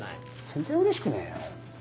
全然うれしくねえよ。